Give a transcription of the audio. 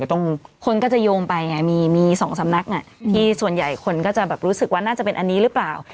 คนก็จะโยงไปไงมีสองสำนักที่ส่วนใหญ่คนก็จะแบบรู้สึกว่าน่าจะเป็นอันนี้หรือเปล่า